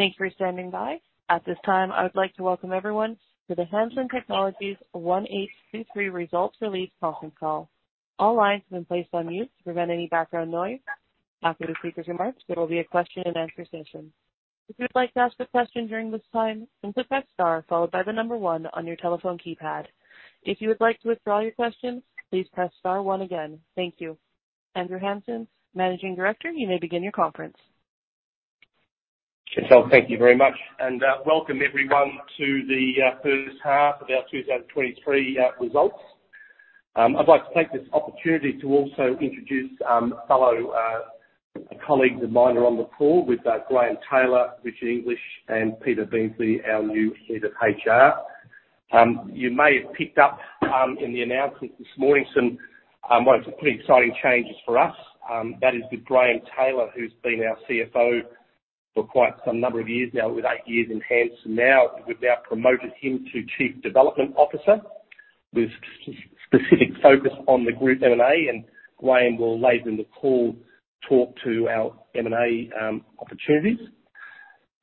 Thanks for standing by. At this time, I would like to welcome everyone to the Hansen Technologies 1823 results release conference call. All lines have been placed on mute to prevent any background noise. After the speaker's remarks, there will be a question-and-answer session. If you'd like to ask a question during this time, simply press star followed by the number one on your telephone keypad. If you would like to withdraw your question, please press star one again. Thank you. Andrew Hansen, Managing Director, you may begin your conference. Chantal, thank you very much. Welcome everyone to the first half of our 2023 results. I'd like to take this opportunity to also introduce fellow colleagues of mine on the call with Graeme Taylor, Richard English, and Peter Beamsley, our new Head of HR. You may have picked up in the announcement this morning some, well, some pretty exciting changes for us, that is with Graeme Taylor, who's been our CFO for quite some number of years now, with eight years in Hansen now. We've now promoted him to Chief Development Officer with specific focus on the group M&A. Graeme will later in the call talk to our M&A opportunities.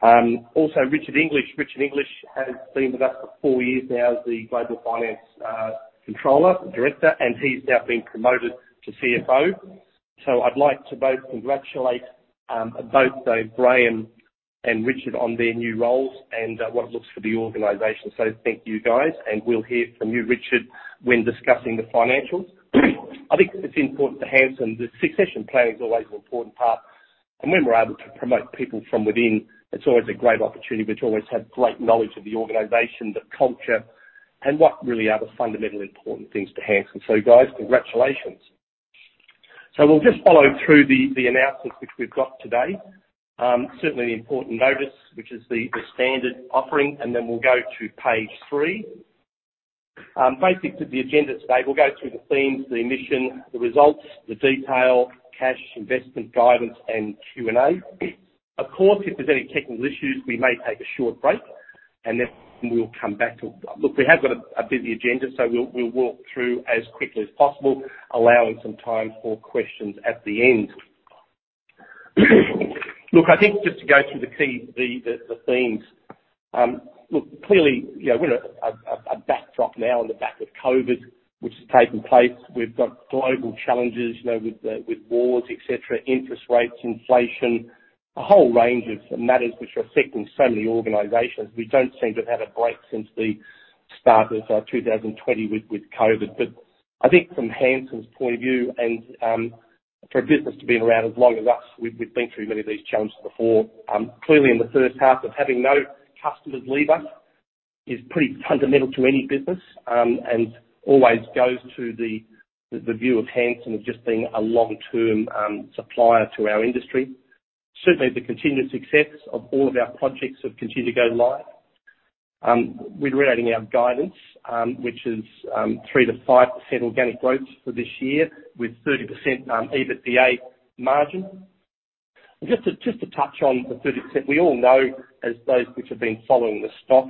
Also Richard English. Richard English has been with us for four years now as the Global Finance Controller Director, and he's now been promoted to CFO. I'd like to both congratulate both Graeme and Richard on their new roles and what it looks for the organization. Thank you, guys, and we'll hear from you, Richard, when discussing the financials. I think it's important to Hansen, the succession planning is always an important part, and when we're able to promote people from within, it's always a great opportunity, which always have great knowledge of the organization, the culture, and what really are the fundamentally important things to Hansen. Guys, congratulations. We'll just follow through the announcements which we've got today. Certainly the important notice, which is the standard offering, and then we'll go to page three. Basic to the agenda today. We'll go through the themes, the mission, the results, the detail, cash, investment guidance, and Q&A. Of course, if there's any technical issues, we may take a short break, and then we'll come back to. Look, we have got a bit of the agenda, we'll walk through as quickly as possible, allowing some time for questions at the end. Look, I think just to go through the key themes. Look, clearly, you know, we're at a backdrop now on the back of COVID, which has taken place. We've got global challenges, you know, with wars, et cetera, interest rates, inflation, a whole range of matters which are affecting so many organizations. We don't seem to have had a break since the start of 2020 with COVID. I think from Hansen's point of view and for a business to be around as long as us, we've been through many of these challenges before. Clearly, in the first half of having no customers leave us is pretty fundamental to any business and always goes to the view of Hansen of just being a long-term supplier to our industry. Certainly, the continued success of all of our projects have continued to go live. We're reiterating our guidance, which is 3%-5% organic growth for this year with 30% EBITDA margin. Just to touch on the 30%, we all know as those which have been following the stock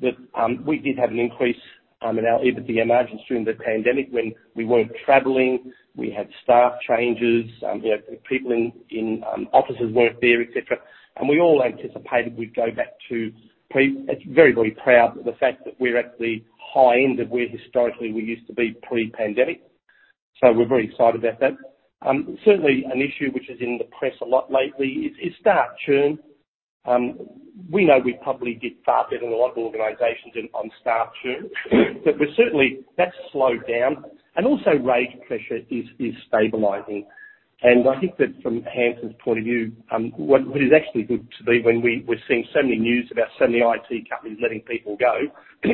that we did have an increase in our EBITDA margins during the pandemic when we weren't traveling. We had staff changes. You know, people in offices weren't there, et cetera. We all anticipated we'd go back to pre... Very, very proud of the fact that we're at the high end of where historically we used to be pre-pandemic. we're very excited about that. certainly an issue which is in the press a lot lately is staff churn. we know we probably did far better than a lot of organizations in, on staff churn. we're certainly, that's slowed down and also rate pressure is stabilizing. I think that from Hansen's point of view, what is actually good to be when we're seeing so many news about so many IT companies letting people go, it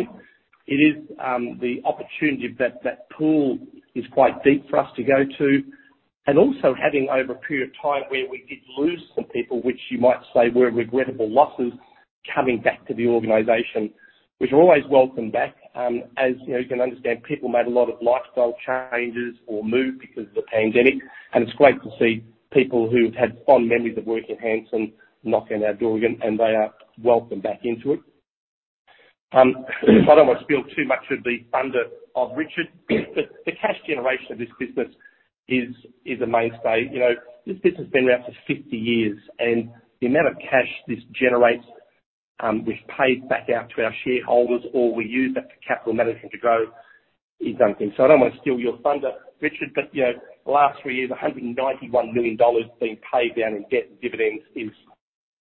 is the opportunity that pool is quite deep for us to go to. Also having over a period of time where we did lose some people, which you might say were regrettable losses, coming back to the organization, which are always welcomed back. As you know, you can understand people made a lot of lifestyle changes or moved because of the pandemic, and it's great to see people who've had fond memories of working at Hansen knock on our door again, and they are welcomed back into it. I don't want to steal too much of the thunder of Richard English. The cash generation of this business is a mainstay. You know, this business has been around for 50 years, and the amount of cash this generates, we've paid back out to our shareholders or we use that for capital management to grow is something. I don't want to steal your thunder, Richard, but, you know, last three years, $191 million being paid down in debt and dividends is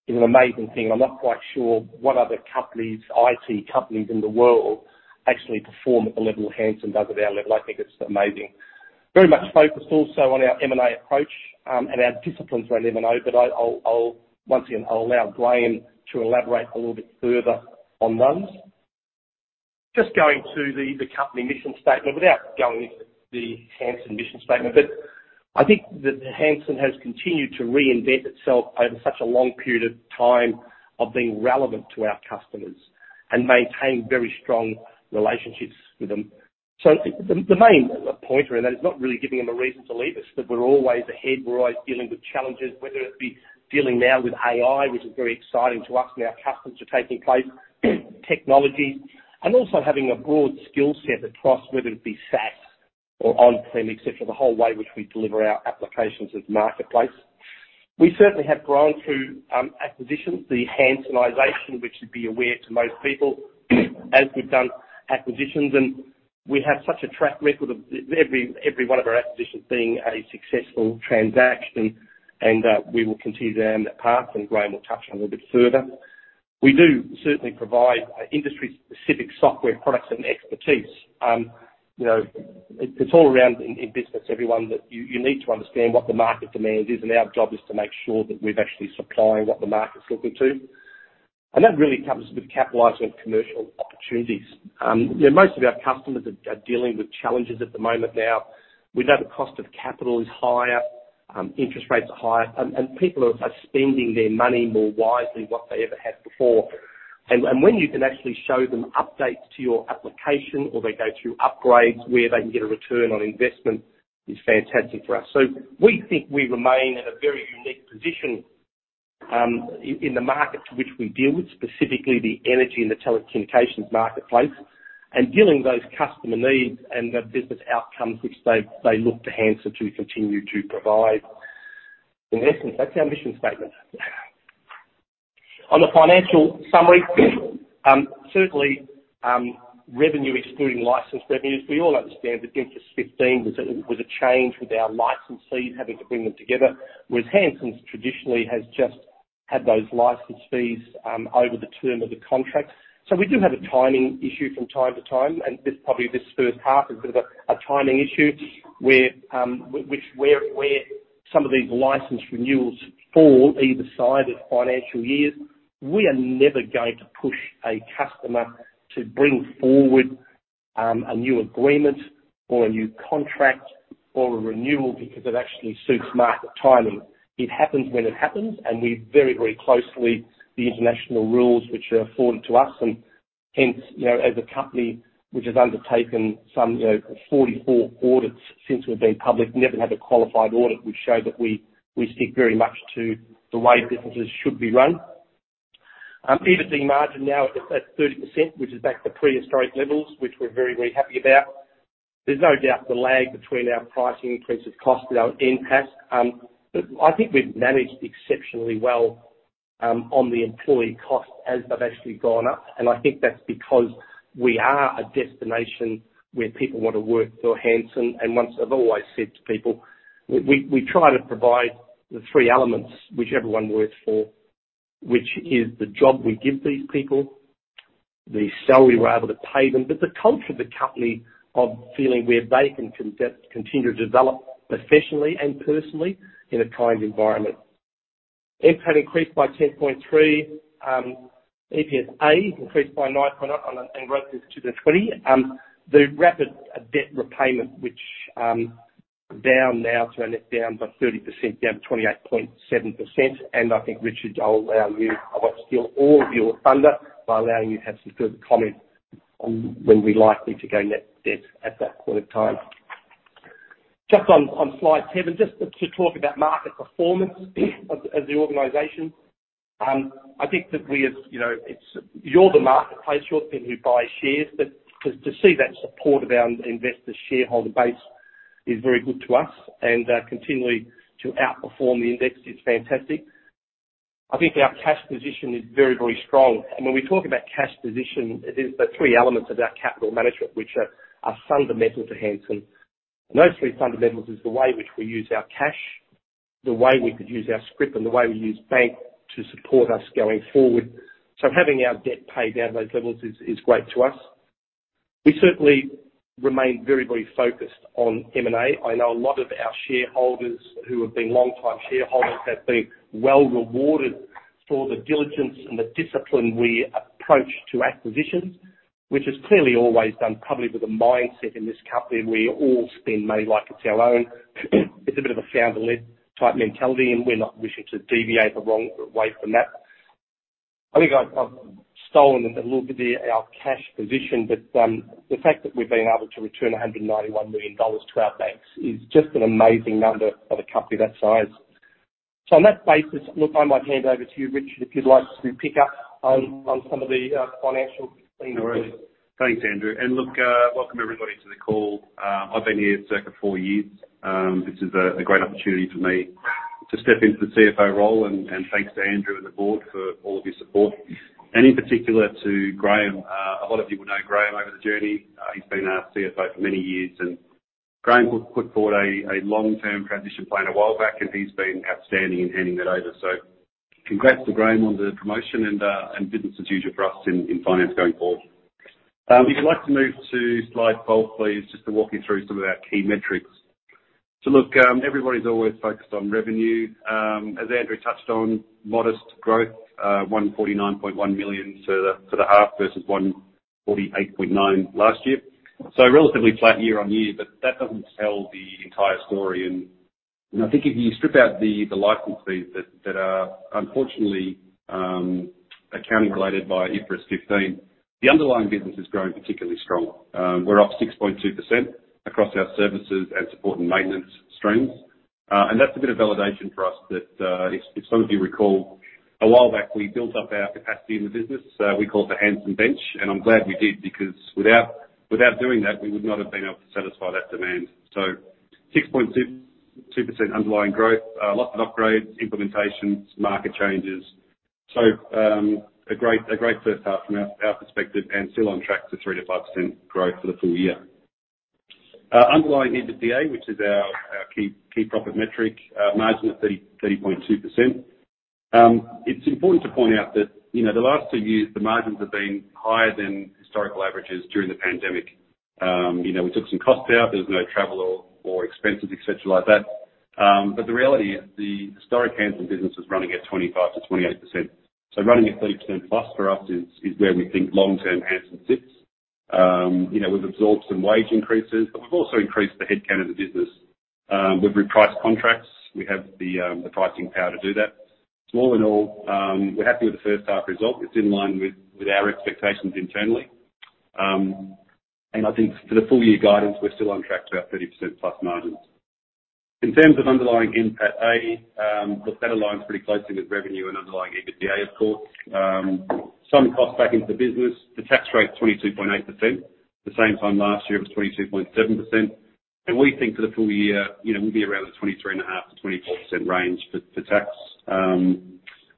an amazing thing. I'm not quite sure what other companies, IT companies in the world actually perform at the level Hansen does at our level. I think it's amazing. Very much focused also on our M&A approach, and our disciplines around M&A, but I'll once again, I'll allow Graeme to elaborate a little bit further on those. Just going to the company mission statement without going into the Hansen mission statement. I think that Hansen has continued to reinvent itself over such a long period of time of being relevant to our customers and maintain very strong relationships with them. The main pointer in that is not really giving them a reason to leave us, that we're always ahead, we're always dealing with challenges, whether it be dealing now with AI, which is very exciting to us and our customers are taking place. Technology also having a broad skill set across whether it be SaaS or on-prem, et cetera, the whole way which we deliver our applications as marketplace. We certainly have grown through acquisitions, the Hansenization, which should be aware to most people as we've done acquisitions. We have such a track record of every one of our acquisitions being a successful transaction, and we will continue down that path, and Graeme will touch on a little bit further. We do certainly provide industry-specific software products and expertise. It's all around in business, everyone, that you need to understand what the market demand is, and our job is to make sure that we're actually supplying what the market's looking to. That really comes with capitalizing commercial opportunities. Most of our customers are dealing with challenges at the moment now. We know the cost of capital is higher, interest rates are higher, and people are spending their money more wisely what they ever had before. When you can actually show them updates to your application, or they go through upgrades where they can get a return on investment, is fantastic for us. We think we remain in a very unique position in the market to which we deal with, specifically the energy and the telecommunications marketplace, and dealing those customer needs and the business outcomes which they look to Hansen to continue to provide. In essence, that's our mission statement. On the financial summary, certainly, revenue excluding license revenues, we all understand that IFRS 15 was a change with our licensee having to bring them together, whereas Hansen traditionally has just had those license fees over the term of the contract. We do have a timing issue from time to time, and this probably this first half is a bit of a timing issue where some of these license renewals fall either side of financial years. We are never going to push a customer to bring forward a new agreement or a new contract or a renewal because it actually suits market timing. It happens when it happens, and we very closely the international rules which are afforded to us. Hence, you know, as a company which has undertaken some, you know, 44 audits since we've been public, never had a qualified audit, which show that we stick very much to the way businesses should be run. EBITDA margin now is at 30%, which is back to prehistoric levels, which we're very, very happy about. There's no doubt the lag between our pricing increase of cost without NPAT. I think we've managed exceptionally well on the employee costs as they've actually gone up. I think that's because we are a destination where people wanna work for Hansen. Once I've always said to people, we try to provide the three elements which everyone works for, which is the job we give these people, the salary we're able to pay them, but the culture of the company of feeling where they can continue to develop professionally and personally in a kind environment. NPAT increased by 10.3%. EPSa increased by 9.0% in relatives to the 20. The rapid debt repayment, which down now to a net down by 30%, down to 28.7%. I think, Richard, I'll allow you, I won't steal all of your thunder by allowing you to have some good comment on when we're likely to go net debt at that point in time. Just on slide seven, just to talk about market performance of the organization. I think that we as, you know, it's, you're the marketplace, you're the people who buy shares. To see that support of our investor shareholder base is very good to us. Continually to outperform the index is fantastic. I think our cash position is very, very strong. When we talk about cash position, it is the three elements of our capital management which are fundamental to Hansen. Those three fundamentals is the way which we use our cash, the way we could use our scrip, and the way we use bank to support us going forward. Having our debt paid down those levels is great to us. We certainly remain very, very focused on M&A. I know a lot of our shareholders who have been long-time shareholders have been well rewarded for the diligence and the discipline we approach to acquisitions, which is clearly always done probably with a mindset in this company. We all spend money like it's our own. It's a bit of a founder-led type mentality, and we're not wishing to deviate the wrong way from that. I think I've stolen a little bit our cash position, but the fact that we've been able to return 191 million dollars to our banks is just an amazing number of a company that size. On that basis, look, I might hand over to you, Richard, if you'd like to pick up on some of the financial themes here. No worries. Thanks, Andrew. Look, welcome everybody to the call. I've been here circa four years. This is a great opportunity for me to step into the CFO role, and thanks to Andrew and the board for all of your support. In particular to Graeme. A lot of you will know Graeme over the journey. He's been our CFO for many years, and Graeme put forward a long-term transition plan a while back, and he's been outstanding in handing that over. Congrats to Graeme on the promotion and business as usual for us in finance going forward. If you'd like to move to slide 12, please, just to walk you through some of our key metrics. Look, everybody's always focused on revenue. As Andrew touched on, modest growth, 149.1 million for the half versus 148.9 million last year. Relatively flat year on year, but that doesn't tell the entire story. You know, I think if you strip out the license fees that are unfortunately accounting related by IFRS 15, the underlying business is growing particularly strong. We're up 6.2% across our services and support and maintenance streams. That's a bit of validation for us that if some of you recall, a while back, we built up our capacity in the business, we called the Hansen bench, and I'm glad we did because without doing that, we would not have been able to satisfy that demand. 6.62% underlying growth, lots of upgrades, implementations, market changes. A great first half from our perspective and still on track to 3%-5% growth for the full year. Underlying EBITDA, which is our key profit metric, margin of 30.2%. It's important to point out that, you know, the last two years, the margins have been higher than historical averages during the pandemic. You know, we took some costs out. There was no travel or expenses et cetera like that. The reality is the historic Hansen business is running at 25%-28%. Running at 30% plus for us is where we think long-term Hansen sits. You know, we've absorbed some wage increases, but we've also increased the headcount of the business. We've repriced contracts. We have the pricing power to do that. All in all, we're happy with the first half result. It's in line with our expectations internally. I think for the full year guidance, we're still on track to our 30%+ margins. In terms of underlying NPATA, look, that aligns pretty closely with revenue and underlying EBITDA, of course. Some costs back into the business. The tax rate 22.8%. The same time last year was 22.7%. We think for the full year, you know, we'll be around the 23.5%-24% range for tax.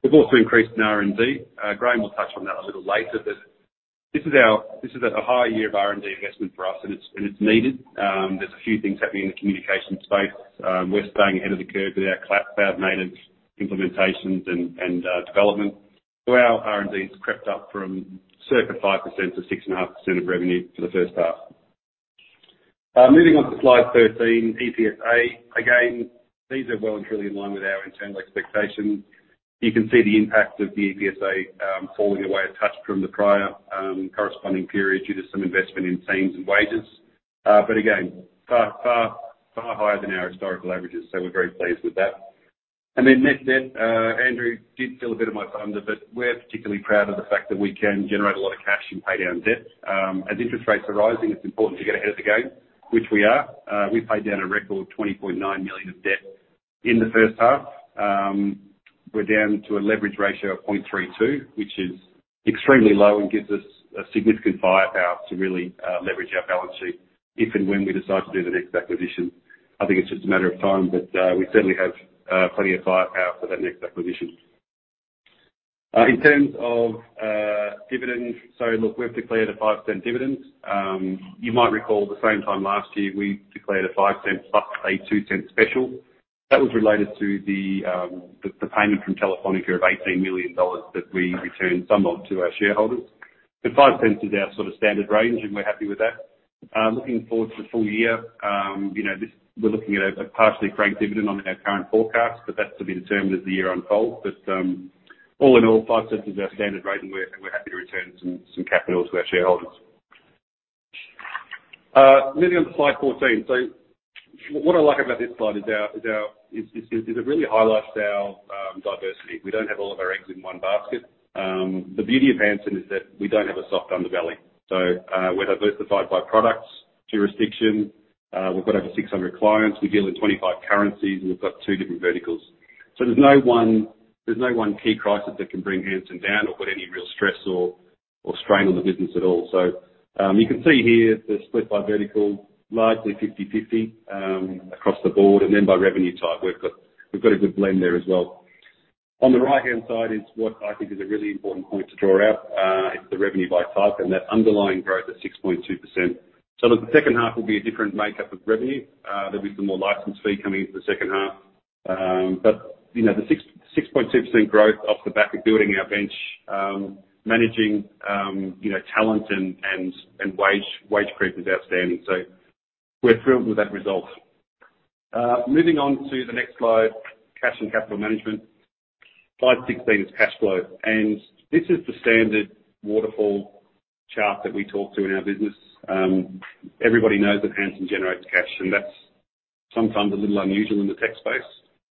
We've also increased in R&D. Graeme will touch on that a little later, this is a high year of R&D investment for us, and it's needed. There's a few things happening in the communication space. We're staying ahead of the curve with our cloud-native implementations and development. Our R&D has crept up from circa 5%-6.5% of revenue for the first half. Moving on to slide 13, EPSa. Again, these are well and truly in line with our internal expectations. You can see the impact of the EPSa falling away a touch from the prior corresponding period due to some investment in teams and wages. Again, far higher than our historical averages, we're very pleased with that. Net debt, Andrew did steal a bit of my thunder, but we're particularly proud of the fact that we can generate a lot of cash and pay down debt. As interest rates are rising, it's important to get ahead of the game, which we are. We paid down a record 20.9 million of debt in the first half. We're down to a leverage ratio of 0.32, which is extremely low and gives us a significant firepower to really leverage our balance sheet if and when we decide to do the next acquisition. I think it's just a matter of time, but we certainly have plenty of firepower for that next acquisition. In terms of dividends, look, we've declared a 0.05 dividend. You might recall the same time last year, we declared a 0.05 plus a 0.02 special. That was related to the payment from Telefónica of 18 million dollars that we returned some of to our shareholders. 0.05 is our absolute standard range, and we're happy with that. Looking forward to the full year, you know, we're looking at a partially franked dividend on our current forecast, but that's to be determined as the year unfolds. All in all, 0.05 is our standard rate, and we're happy to return some capital to our shareholders. Moving on to slide 14. What I like about this slide is our, is it really highlights our diversity. We don't have all of our eggs in one basket. The beauty of Hansen is that we don't have a soft underbelly. We're diversified by products, jurisdiction, we've got over 600 clients, we deal in 25 currencies, and we've got two different verticals. There's no one key crisis that can bring Hansen down or put any real stress or strain on the business at all. You can see here the split by vertical, largely 50/50 across the board, and then by revenue type. We've got a good blend there as well. On the right-hand side is what I think is a really important point to draw out. It's the revenue by type and that underlying growth of 6.2%. Look, the second half will be a different makeup of revenue. There'll be some more license fee coming into the second half. You know, the 6.2% growth off the back of building our bench, managing, you know, talent and wage creep is outstanding. We're thrilled with that result. Moving on to the next slide, cash and capital management. Slide 16 is cash flow. This is the standard waterfall chart that we talk to in our business. Everybody knows that Hansen generates cash, and that's sometimes a little unusual in the tech space.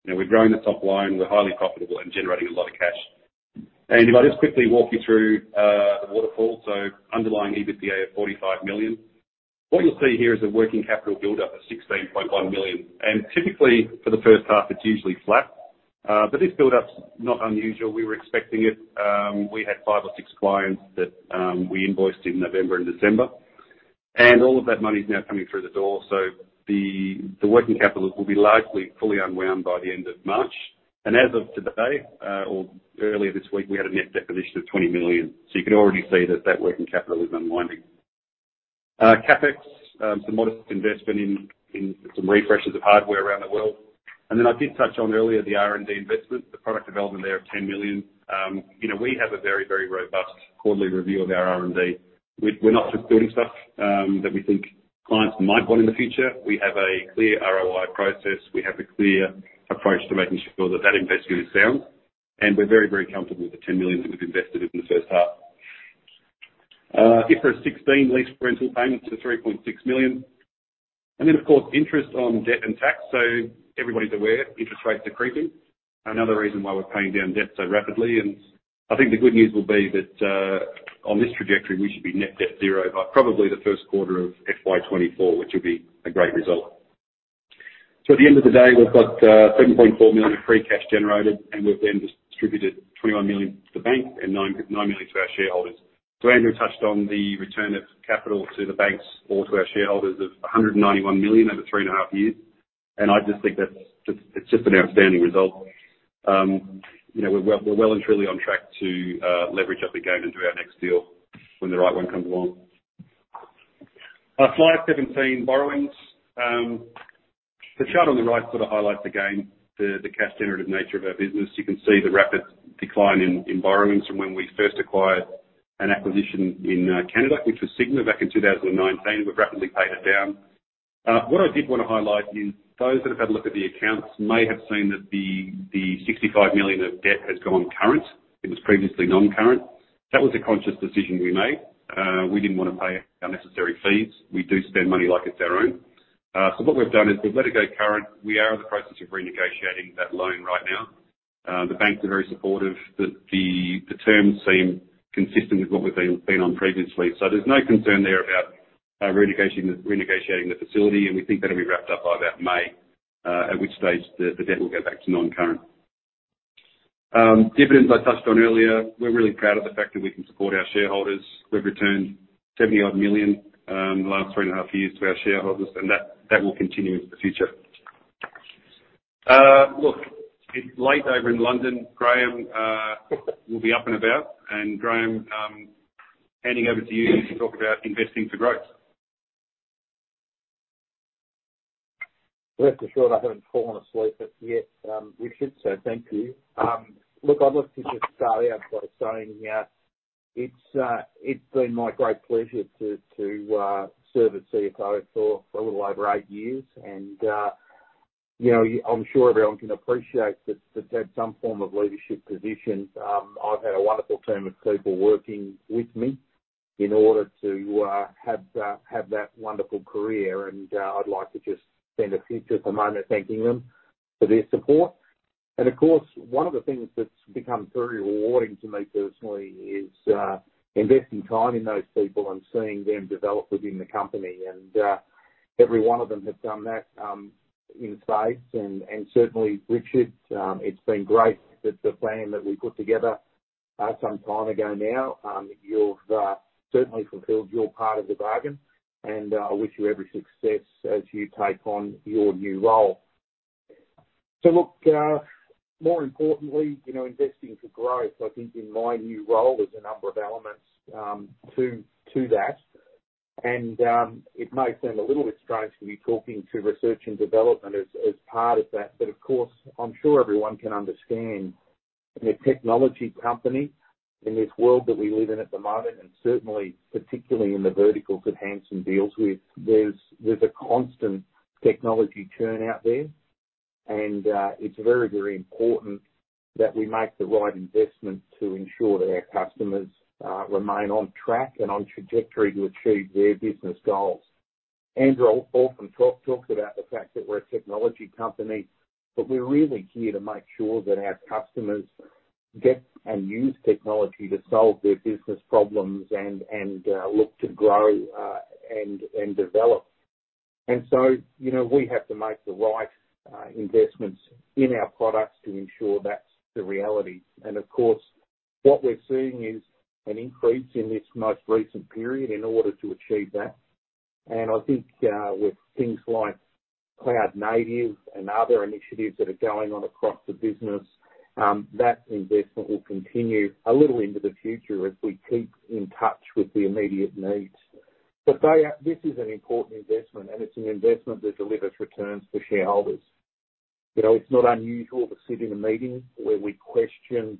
You know, we're growing the top line, we're highly profitable and generating a lot of cash. If I just quickly walk you through the waterfall, so underlying EBITDA of 45 million. What you'll see here is a working capital buildup of 16.1 million. Typically for the first half it's usually flat. This buildup's not unusual. We were expecting it. We had five or six clients that we invoiced in November and December. All of that money is now coming through the door. The working capital will be largely fully unwound by the end of March. As of today, or earlier this week, we had a net debt of 20 million. You can already see that working capital is unwinding. CapEx, some modest investment in some refreshes of hardware around the world. I did touch on earlier the R&D investment, the product development there of 10 million. You know, we have a very robust quarterly review of our R&D. We're not just building stuff that we think clients might want in the future. We have a clear ROI process. We have a clear approach to making sure that that investment is sound. We're very, very comfortable with the 10 million that we've invested in the first half. If there are 16 lease rental payments of 3.6 million, then of course interest on debt and tax. Everybody's aware interest rates are creeping. Another reason why we're paying down debt so rapidly. I think the good news will be that on this trajectory, we should be net debt zero by probably the first quarter of FY24, which will be a great result. At the end of the day, we've got 7.4 million of free cash generated, we've then distributed 21 million to the bank and 9 million to our shareholders. Andrew touched on the return of capital to the banks or to our shareholders of 191 million over three and a half years. I just think that's just, it's just an outstanding result. You know, we're well and truly on track to leverage up again and do our next deal when the right one comes along. Slide 17, borrowings. The chart on the right sort of highlights, again, the cash generative nature of our business. You can see the rapid decline in borrowings from when we first acquired an acquisition in Canada, which was Sigma back in 2019. We've rapidly paid it down. What I did wanna highlight is those that have had a look at the accounts may have seen that the 65 million of debt has gone current. It was previously non-current. That was a conscious decision we made. We didn't wanna pay unnecessary fees. We do spend money like it's our own. What we've done is we've let it go current. We are in the process of renegotiating that loan right now. The banks are very supportive. The terms seem consistent with what we've been on previously. There's no concern there about renegotiating the facility, we think that'll be wrapped up by about May, at which stage the debt will go back to non-current. Dividends I touched on earlier. We're really proud of the fact that we can support our shareholders. We've returned 70 odd million, the last three and a half years to our shareholders. That will continue into the future. Look, it's late over in London. Graeme will be up and about. Graeme, handing over to you to talk about investing for growth. Rest assured, I haven't fallen asleep as yet, Richard, thank you. Look, I'd love to just start out by saying, it's been my great pleasure to serve as CFO for a little over eight years. You know, I'm sure everyone can appreciate that to have some form of leadership position. I've had a wonderful team of people working with me in order to have that wonderful career. I'd like to just spend a moment thanking them for their support. Of course, one of the things that's become very rewarding to me personally is investing time in those people and seeing them develop within the company. Every one of them have done that in spades. Certainly, Richard, it's been great that the plan that we put together some time ago now, you've certainly fulfilled your part of the bargain. I wish you every success as you take on your new role. Look, more importantly, you know, investing for growth, I think in my new role, there's a number of elements to that. It may seem a little bit strange to be talking to research and development as part of that. Of course, I'm sure everyone can understand in a technology company, in this world that we live in at the moment, and certainly particularly in the verticals that Hansen deals with, there's a constant technology churn out there. It's very, very important that we make the right investment to ensure that our customers remain on track and on trajectory to achieve their business goals. Andrew often talks about the fact that we're a technology company, but we're really here to make sure that our customers get and use technology to solve their business problems and look to grow and develop. You know, we have to make the right investments in our products to ensure that's the reality. Of course, what we're seeing is an increase in this most recent period in order to achieve that. I think with things like cloud native and other initiatives that are going on across the business, that investment will continue a little into the future as we keep in touch with the immediate needs. This is an important investment, and it's an investment that delivers returns to shareholders. You know, it's not unusual to sit in a meeting where we question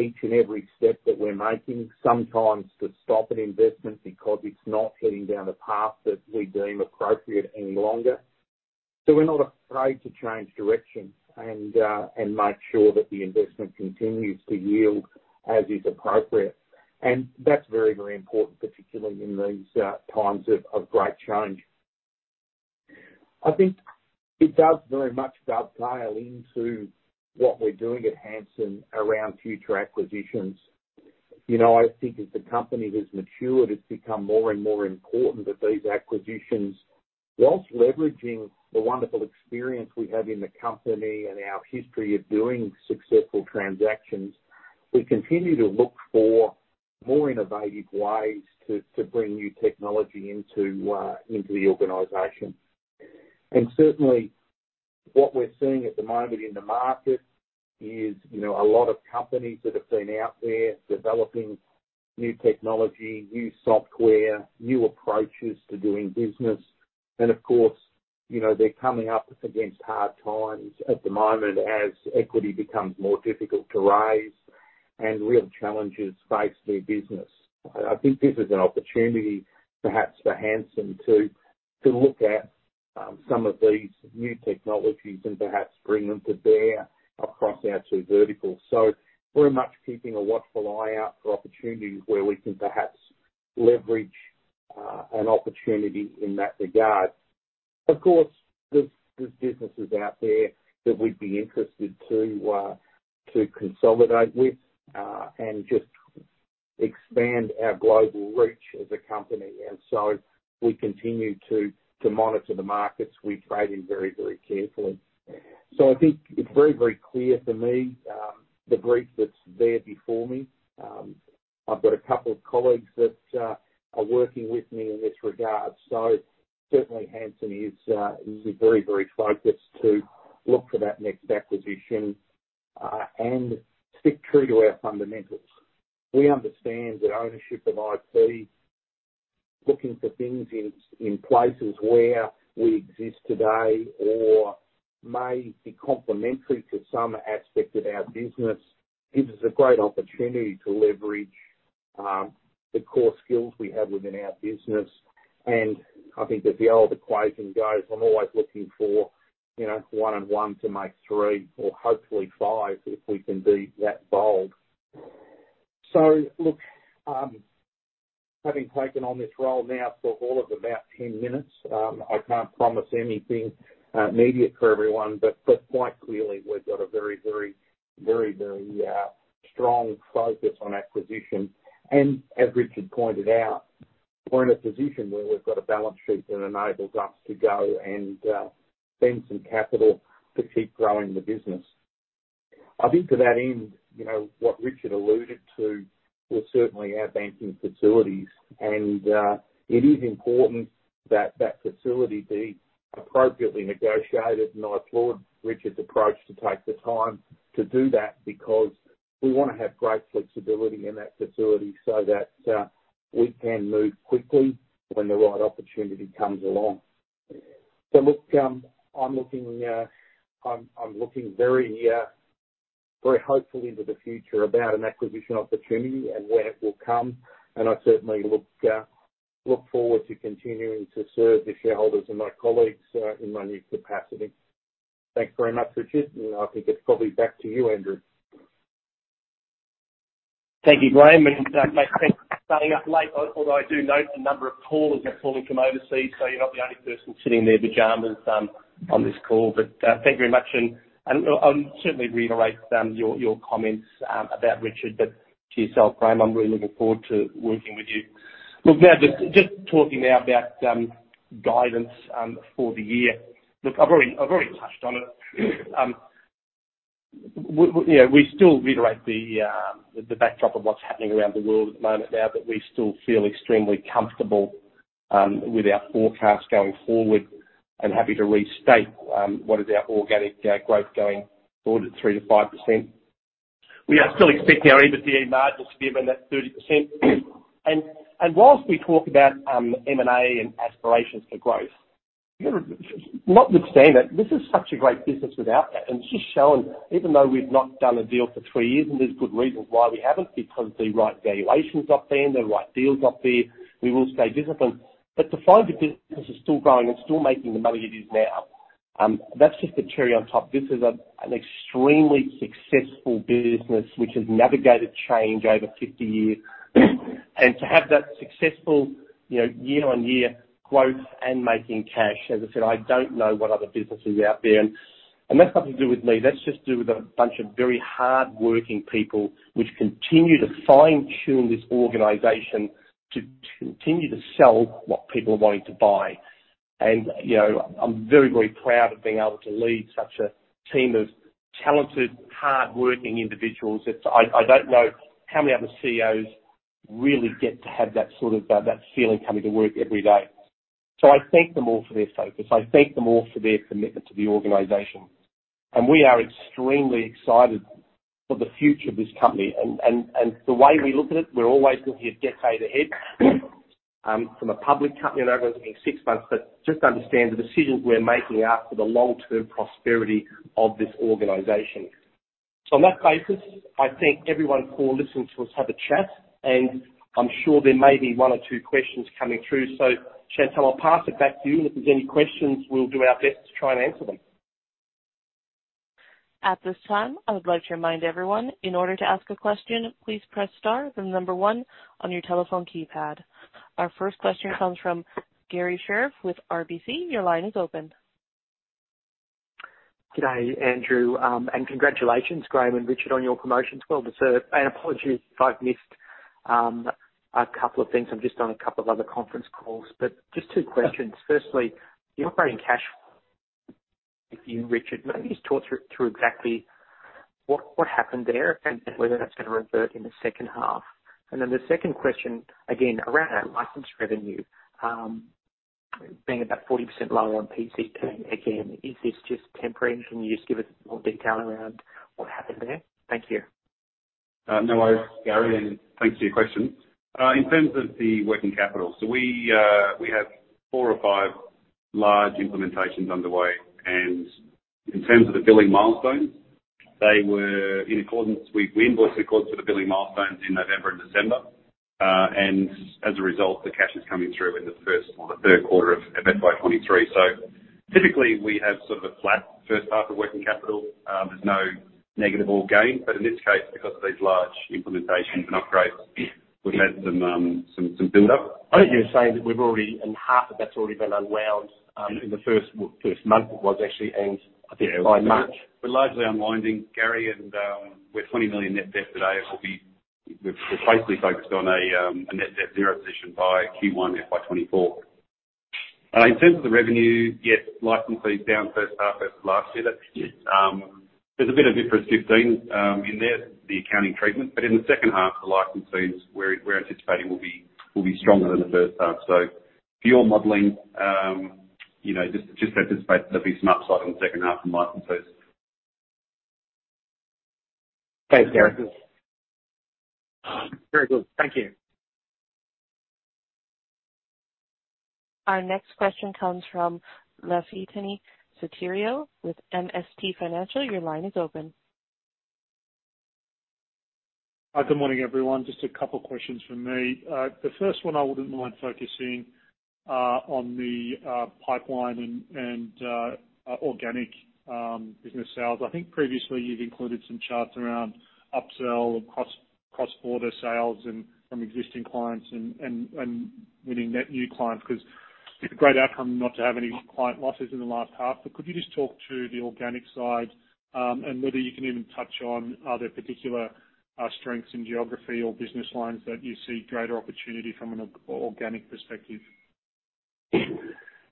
each and every step that we're making, sometimes to stop an investment because it's not heading down a path that we deem appropriate any longer. We're not afraid to change direction and make sure that the investment continues to yield as is appropriate. That's very, very important, particularly in these times of great change. I think it does very much dovetail into what we're doing at Hansen around future acquisitions. You know, I think as the company has matured, it's become more and more important that these acquisitions, whilst leveraging the wonderful experience we have in the company and our history of doing successful transactions, we continue to look for more innovative ways to bring new technology into the organization. Certainly what we're seeing at the moment in the market is, you know, a lot of companies that have been out there developing new technology, new software, new approaches to doing business. Of course, you know, they're coming up against hard times at the moment as equity becomes more difficult to raise and real challenges face their business. I think this is an opportunity perhaps for Hansen to look at some of these new technologies and perhaps bring them to bear across our two verticals. We're much keeping a watchful eye out for opportunities where we can perhaps leverage an opportunity in that regard. Of course, there's businesses out there that we'd be interested to consolidate with and just expand our global reach as a company. We continue to monitor the markets we trade in very, very carefully. I think it's very, very clear to me, the brief that's there before me. I've got a couple of colleagues that are working with me in this regard. Certainly Hansen is very, very focused to look for that next acquisition and stick true to our fundamentals. We understand that ownership of IP, looking for things in places where we exist today or may be complementary to some aspect of our business, gives us a great opportunity to leverage the core skills we have within our business. I think that the old equation goes, I'm always looking for, you know, one and one to make three or hopefully five, if we can be that bold. Look, having taken on this role now for all of about 10 minutes, I can't promise anything immediate for everyone, but quite clearly, we've got a very strong focus on acquisition. As Richard pointed out, we're in a position where we've got a balance sheet that enables us to go and spend some capital to keep growing the business. I think to that end, you know, what Richard alluded to was certainly our banking facilities. It is important that that facility be appropriately negotiated. I applaud Richard's approach to take the time to do that because we wanna have great flexibility in that facility so that we can move quickly when the right opportunity comes along. Look, I'm looking very hopefully into the future about an acquisition opportunity and when it will come. I certainly look forward to continuing to serve the shareholders and my colleagues in my new capacity. Thanks very much, Richard. I think it's probably back to you, Andrew. Thank you, Graeme. Thanks for starting up late, although I do note the number of callers have probably come overseas, so you're not the only person sitting in their pajamas on this call. Thank you very much. And I'll certainly reiterate your comments about Richard, but to yourself, Graeme, I'm really looking forward to working with you. Now just talking now about guidance for the year. I've already touched on it. You know, we still reiterate the backdrop of what's happening around the world at the moment now, but we still feel extremely comfortable with our forecast going forward and happy to restate what is our organic growth going forward at 3%-5%. We are still expecting our EBITDA margins to be around that 30%. Whilst we talk about M&A and aspirations for growth, you gotta not withstand it, this is such a great business without that. It's just showing even though we've not done a deal for three years, and there's good reasons why we haven't, because the right valuation's not there, the right deal's not there, we will stay disciplined. To find the business is still growing and still making the money it is now, that's just the cherry on top. This is an extremely successful business which has navigated change over 50 years. To have that successful, you know, year-on-year growth and making cash, as I said, I don't know what other businesses out there. That's nothing to do with me. That's just do with a bunch of very hardworking people which continue to fine-tune this organization to continue to sell what people are wanting to buy. You know, I'm very, very proud of being able to lead such a team of talented, hardworking individuals. I don't know how many other CEOs really get to have that sort of that feeling coming to work every day. I thank them all for their focus. I thank them all for their commitment to the organization. We are extremely excited for the future of this company. The way we look at it, we're always looking a decade ahead, from a public company and everyone's looking six months. Just understand the decisions we're making are for the long-term prosperity of this organization. On that basis, I thank everyone for listening to us have a chat, and I'm sure there may be one or two questions coming through. Chantal, I'll pass it back to you, and if there's any questions, we'll do our best to try and answer them. At this time, I would like to remind everyone, in order to ask a question, please press star, then number one on your telephone keypad. Our first question comes from Garry Sherriff with RBC. Your line is open. Good day, Andrew. Congratulations Graeme and Richard on your promotions. Well deserved. Apologies if I've missed a couple of things. I'm just on a couple of other conference calls. Just two questions. Firstly, the operating cash you and Richard, maybe just talk through exactly what happened there and whether that's gonna revert in the second half? The second question, again around our license revenue, being about 40% lower on PCP. Is this just temporary? Can you just give us more detail around what happened there? Thank you. No worries, Garry. Thanks for your question. In terms of the working capital, we have four or five large implementations underway. In terms of the billing milestones, we invoice in accordance with the billing milestones in November and December. As a result, the cash is coming through in the first or the third quarter of FY25. Typically, we have sort of a flat first half of working capital. There's no negative or gain. In this case, because of these large implementations and upgrades, we've had some build-up. I think you were saying that we've already, and half of that's already been unwound, in the first, well, first month it was actually, and I think by March. We're largely unwinding, Garry, we're 20 million net debt today, We're basically focused on a net debt zero position by Q1 FY24. In terms of the revenue, yes, license fees down first half versus last year. That's, there's a bit of IFRS 15 in there, the accounting treatment. In the second half, the license fees we're anticipating will be stronger than the first half. For your modeling, you know, just anticipate there'll be some upside in the second half from license fees. Thanks, Garry. Very good. Very good. Thank you. Our next question comes from Lafitani Sotiriou with MST Financial. Your line is open. Good morning, everyone. Just a couple questions from me. The first one, I wouldn't mind focusing on the pipeline and organic business sales. I think previously you've included some charts around upsell and cross-border sales and from existing clients and winning net new clients, 'cause it's a great outcome not to have any client losses in the last half. Could you just talk to the organic side and whether you can even touch on, are there particular strengths in geography or business lines that you see greater opportunity from an organic perspective? Yeah.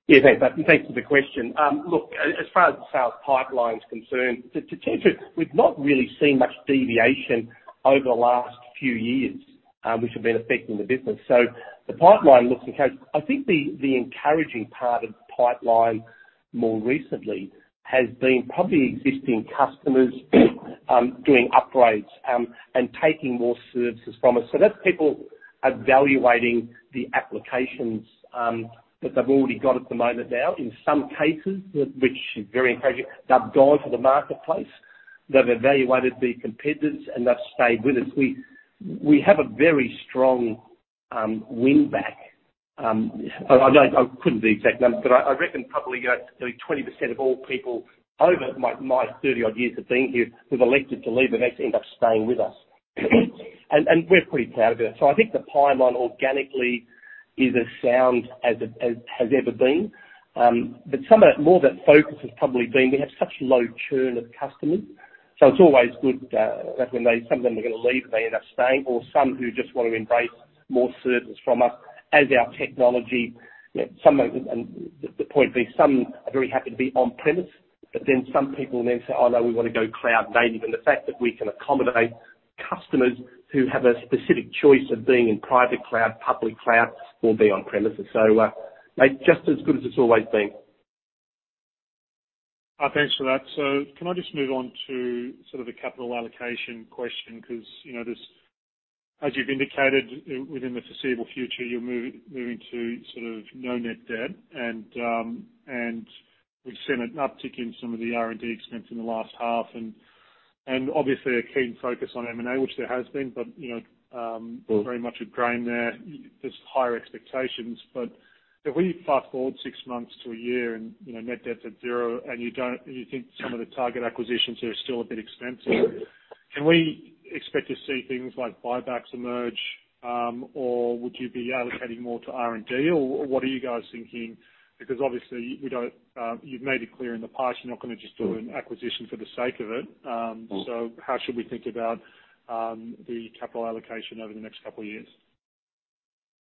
Thanks for the question. look, as far as the sales pipeline's concerned, to tell you the truth, we've not really seen much deviation over the last few years, which have been affecting the business. The pipeline looks okay. I think the encouraging part of the pipeline more recently has been probably existing customers, doing upgrades, and taking more services from us. That's people evaluating the applications that they've already got at the moment now. In some cases, which is very encouraging, they've gone to the marketplace, they've evaluated the competitors, and they've stayed with us. We have a very strong win back. I couldn't give you exact numbers, but I reckon probably, you know, 20% of all people over my 30-odd years of being here who've elected to leave and actually end up staying with us. We're pretty proud of that. I think the pipeline organically is as sound as it has ever been. Some of that, more of that focus has probably been we have such low churn of customers, so it's always good that when they, some of them were gonna leave, they end up staying or some who just wanna embrace more services from us as our technology, you know, some of. The point being, some are very happy to be on premise. Some people may say, "Oh, no, we wanna go cloud-native." The fact that we can accommodate customers who have a specific choice of being in private cloud, public cloud, or be on premises. They're just as good as it's always been. Thanks for that. Can I just move on to sort of the capital allocation question? 'Cause you know, there's, as you've indicated, within the foreseeable future, you're moving to sort of no net debt. We've seen an uptick in some of the R&D expense in the last half, and obviously a keen focus on M&A, which there has been. You know, very much a drain there. There's higher expectations. If we fast-forward six months to a year and, you know, net debt's at zero and you think some of the target acquisitions are still a bit expensive, can we expect to see things like buybacks emerge, or would you be allocating more to R&D, or what are you guys thinking? Obviously we don't, you've made it clear in the past you're not gonna just do an acquisition for the sake of it. How should we think about the capital allocation over the next couple of years?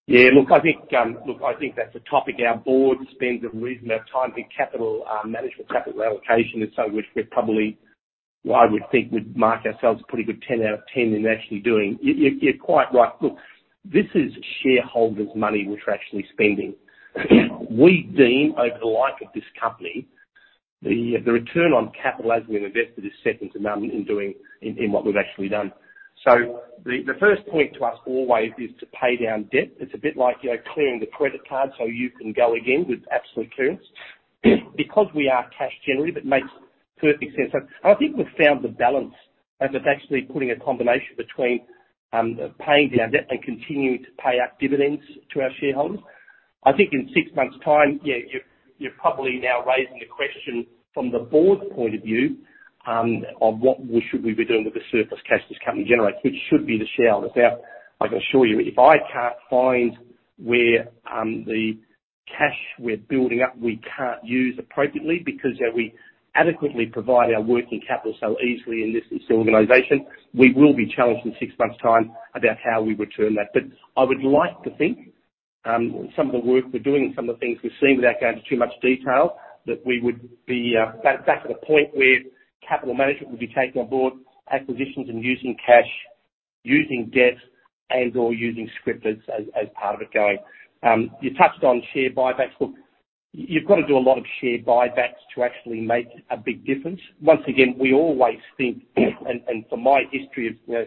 Yeah. Look, I think, look, I think that's a topic our board spends a reasonable time in capital management, capital allocation. Which we probably, I would think we'd mark ourselves pretty good 10 out of 10 in actually doing. You're quite right. Look, this is shareholders' money which we're actually spending. We deem over the life of this company the return on capital as we invest it is second to none in doing, in what we've actually done. The first point to us always is to pay down debt. It's a bit like, you know, clearing the credit card so you can go again with absolute clearance. Because we are cash generative, it makes perfect sense. I think we've found the balance of actually putting a combination between paying down debt and continuing to pay out dividends to our shareholders. I think in six months' time, you're probably now raising the question from the board's point of view of what we should be doing with the surplus cash this company generates, which should be the shareholders. I can assure you, if I can't find where the cash we're building up, we can't use appropriately because we adequately provide our working capital so easily in this organization, we will be challenged in six months' time about how we return that. I would like to think, some of the work we're doing and some of the things we've seen, without going into too much detail, that we would be back at a point where capital management would be taking on board acquisitions and using cash, using debt, and/or using scrip as part of it going. You touched on share buybacks. Look, you've gotta do a lot of share buybacks to actually make a big difference. Once again, we always think, and from my history of, you know,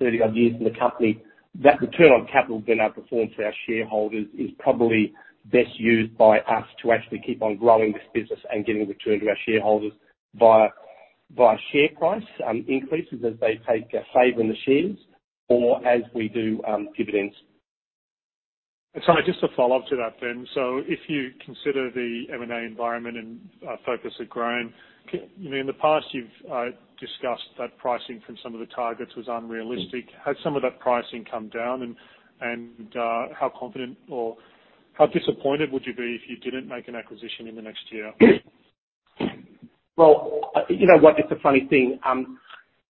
30-odd years in the company, that return on capital that's been outperformed for our shareholders is probably best used by us to actually keep on growing this business and getting a return to our shareholders via share price increases as they take a favor in the shares or as we do dividends. Sorry, just a follow-up to that then. If you consider the M&A environment and focus at growth, you know, in the past you've discussed that pricing from some of the targets was unrealistic. Has some of that pricing come down? And how confident or how disappointed would you be if you didn't make an acquisition in the next year? You know what? It's a funny thing.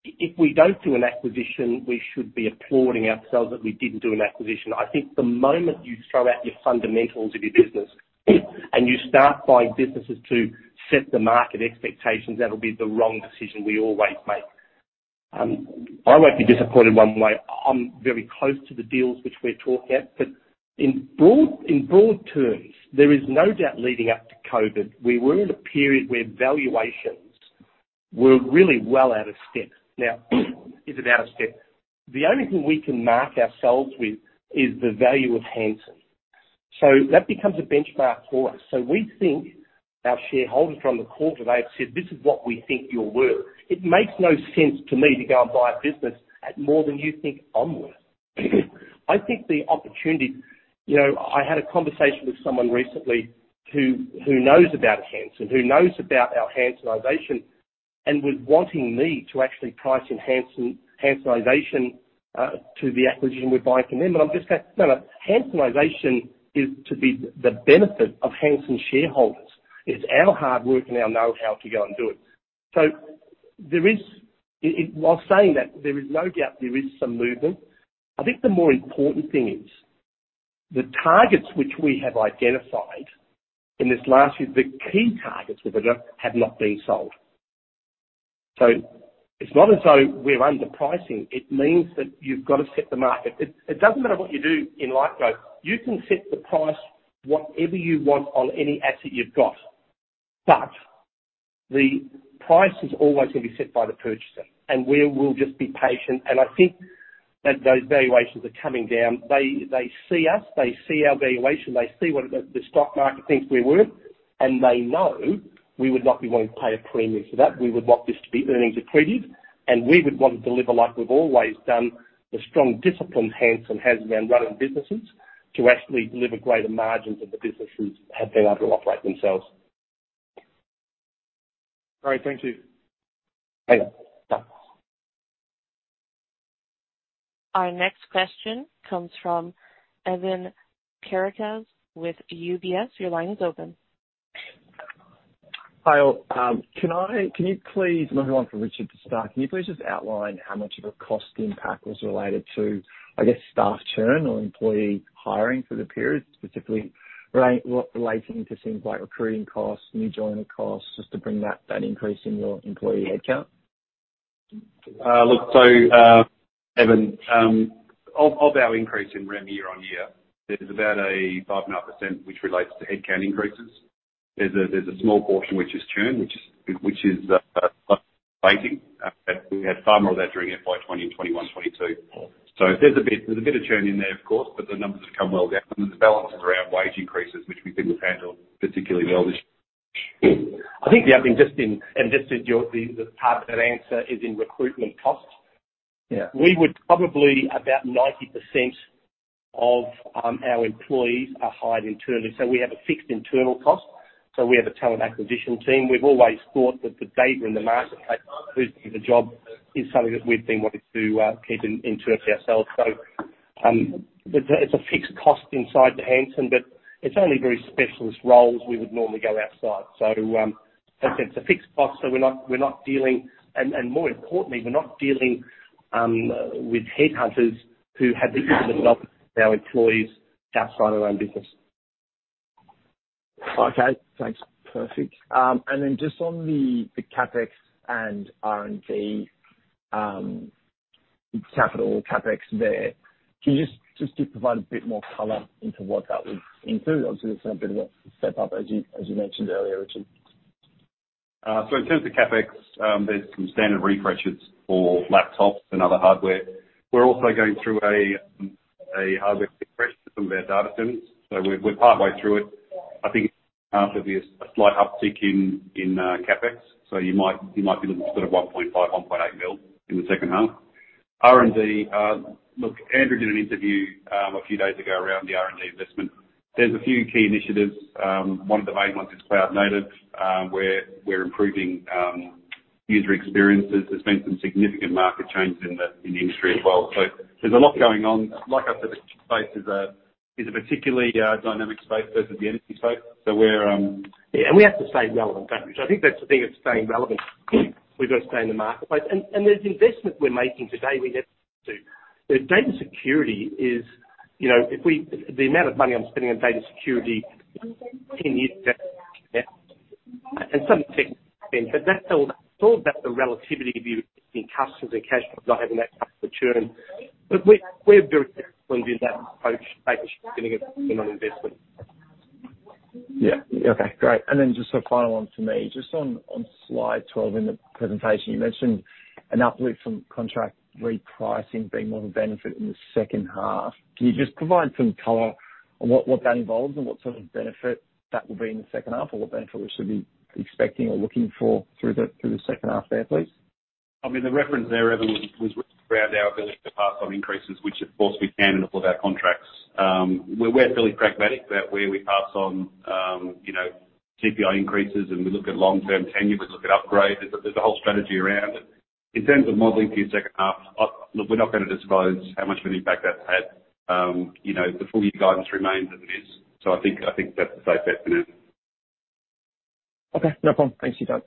If we don't do an acquisition, we should be applauding ourselves that we didn't do an acquisition. I think the moment you throw out your fundamentals of your business and you start buying businesses to set the market expectations, that'll be the wrong decision we always make. I won't be disappointed one way. I'm very close to the deals which we're talking at. In broad, in broad terms, there is no doubt leading up to COVID, we were in a period where valuations were really well out of step. Now is it out of step? The only thing we can mark ourselves with is the value of Hansen. That becomes a benchmark for us. We think our shareholders on the call today have said, "This is what we think you're worth." It makes no sense to me to go and buy a business at more than you think I'm worth. I think the opportunity. You know, I had a conversation with someone recently who knows about Hansen, who knows about our Hansenization, and was wanting me to actually price enhance some Hansenization to the acquisition we're buying from them. I'm just going, "No, no. Hansenization is to be the benefit of Hansen shareholders. It's our hard work and our know-how to go and do it." There is. While saying that, there is no doubt there is some movement. I think the more important thing is the targets which we have identified in this last year, the key targets that have been done have not been sold. It's not as though we're underpricing. It means that you've got to set the market. It doesn't matter what you do in life, though. You can set the price whatever you want on any asset you've got, but the price is always gonna be set by the purchaser, and we'll just be patient. I think that those valuations are coming down. They see us, they see our valuation, they see what the stock market thinks we're worth, and they know we would not be willing to pay a premium for that. We would want this to be earnings accretive, and we would want to deliver like we've always done, the strong discipline Hansen has around running businesses to actually deliver greater margins of the businesses have been able to operate themselves. All right. Thank you. Okay. Bye. Our next question comes from Evan Karatzas with UBS. Your line is open. mi all. Can you please... Another one for Richard to start. Can you please just outline how much of a cost impact was related to, I guess, staff churn or employee hiring for the period, specifically relating to things like recruiting costs, new joiner costs, just to bring that increase in your employee headcount? Look, Evan, of our increase in remuneration year on year, there's about a 5.5% which relates to headcount increases. There's a small portion which is churn, which is abating. We had far more of that during FY20 and FY21, FY22. There's a bit of churn in there, of course, but the numbers have come well down. There's balances around wage increases, which we think we've handled particularly well this. I think, yeah, I mean, just in the part of that answer is in recruitment costs. Yeah. We would probably about 90% of our employees are hired internally. We have a fixed internal cost. We have a talent acquisition team. We've always thought that the data and the market the job is something that we've been wanting to keep in-house for ourselves. It's a fixed cost inside the Hansen, but it's only very specialist roles we would normally go outside. Like I said, it's a fixed cost, so we're not dealing. More importantly, we're not dealing with headhunters who have the job of our employees outside of their own business. Okay. Thanks. Perfect. Just on the CapEx and R&D, capital CapEx there. Can you just to provide a bit more color into what that would include? Obviously, it's gonna be a bit of a step up as you mentioned earlier, Richard. In terms of CapEx, there's some standard refreshes for laptops and other hardware. We're also going through a hardware refresh for some of our data centers, so we're partway through it. I think there'll be a slight uptick in CapEx. You might be looking sort of 1.5 million-1.8 million in the second half. R&D, look, Andrew did an interview a few days ago around the R&D investment. There's a few key initiatives. One of the main ones is cloud-native, where we're improving user experiences. There's been some significant market changes in the industry as well. There's a lot going on. Like I said, the space is a particularly dynamic space versus the energy space. We're. Yeah, we have to stay relevant, don't we? I think that's the thing, it's staying relevant. We've got to stay in the marketplace. There's investment we're making today, we have to. The data security is, you know, the amount of money I'm spending on data security 10 years and some things, but that's all, it's all about the relativity of your customers and cash flow not having that customer churn. We're very disciplined in that approach, spending it on investment. Yeah. Okay, great. Just a final one for me. Just on slide 12 in the presentation, you mentioned an uplift from contract repricing being more of a benefit in the second half. Can you just provide some color on what that involves and what sort of benefit that will be in the second half, or what benefit we should be expecting or looking for through the second half there, please? I mean, the reference there, Evan, was around our ability to pass on increases, which of course we can in all of our contracts. We're fairly pragmatic about where we pass on, you know, CPI increases, and we look at long-term tenure, we look at upgrades. There's a whole strategy around it. In terms of modeling for your second half, Look, we're not gonna disclose how much of an impact that's had. You know, the full year guidance remains as it is. I think that's the safe bet for now. Okay, no problem. Thanks for that.